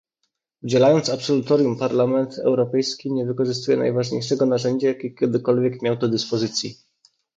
Udzielając absolutorium Parlament Europejski nie wykorzystuje najważniejszego narzędzia, jakie kiedykolwiek miał do dyspozycji